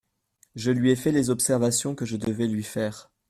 Je lui ai fait les observations que je devais lui faire…